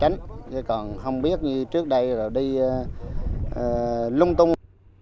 như trước đây đi lung tung